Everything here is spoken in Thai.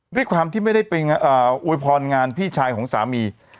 ด้วยความที่ไม่ได้ไปอวยพรงานพี่ชายของสามี